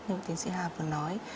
như tiến sĩ hà vừa nói